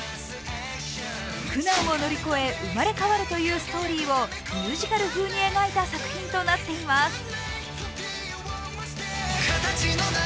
苦難を乗り越え生まれ変わるというストーリーをミュージカル風に描いた作品となっています。